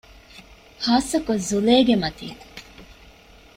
ޚާއްސަކޮށް ޒުލޭގެ މަތީން